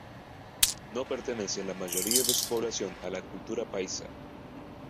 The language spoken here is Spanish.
No pertenece la mayoría de su población a la cultura paisa.